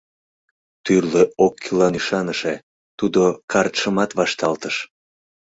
Тӱрлӧ оккӱллан ӱшаныше, тудо картшымат вашталтыш.